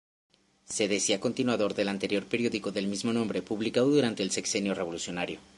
Se decía continuador del anterior periódico del mismo nombre publicado durante el Sexenio Revolucionario.